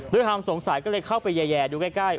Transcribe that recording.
ด้วยความสงสัยก็เลยเข้าไปแย่ดูใกล้